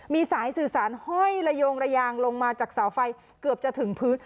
มีสายสื่อสารห้อยระโยงระยางลงมาจากเสาไฟเกือบจะถึงพื้น